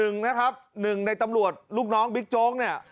๑นะครับ๑ในตำรวจลูกน้องบิ๊กโจ๊กเนี่ย